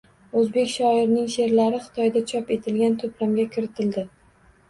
O‘zbek shoirining she’rlari xitoyda chop etilgan to‘plamga kiritildi